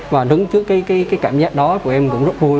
và đứng trước cái cảm giác đó tụi em cũng rất vui